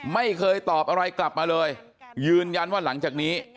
ไม่เคยตอบอะไรกลับมาเลยยืนยันว่าหลังจากนี้